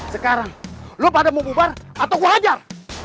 sekarang lo pada mau bubar atau gue hajar